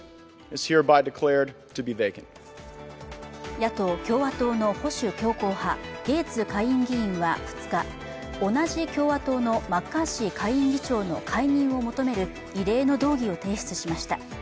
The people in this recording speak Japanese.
野党・共和党の保守強硬派、ゲーツ下院議員は２日、同じ共和党のマッカーシー下院議長の解任を求める異例の動議を提出しました。